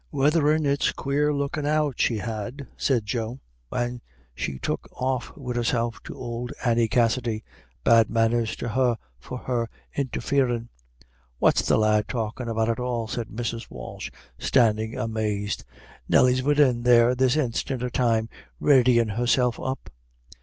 "Whethen it's quare lookin' out she had," said Joe, "and she took off wid herself to ould Annie Cassidy bad manners to her for her interfarin'." "What's the lad talkin' about at all?" said Mrs. Walsh, standing amazed; "Nelly's widin there this instiant of time, readyin' herself up."